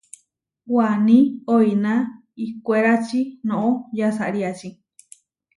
Waní oiná ihkwérači noʼó yasariáči.